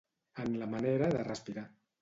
En la manera de respirar.